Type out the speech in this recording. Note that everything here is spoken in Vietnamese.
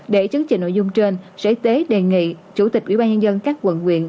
để chứng chỉnh nội dung trên sở y tế đề nghị chủ tịch ủy ban nhân dân các quận quyện